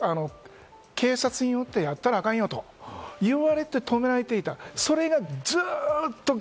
でも警察によって、やったらあかんよと言われて、止められていた。